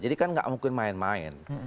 jadi kan nggak mungkin main main